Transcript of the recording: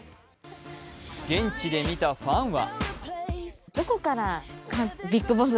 現地で見たファンは。